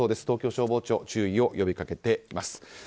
東京消防庁注意を呼びかけています。